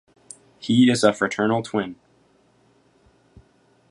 He is a fraternal twin.